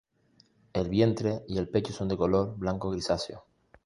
El vientre y el pecho son de color blanco grisáceo.